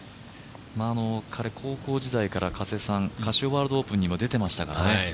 彼、高校時代からカシオワールドオープンにも出てましたからね。